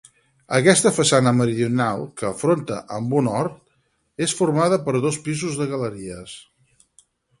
Aquesta façana meridional, que afronta amb un hort, és formada per dos pisos de galeries.